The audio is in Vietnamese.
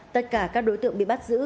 tất cả các đối tượng bị bắt giữ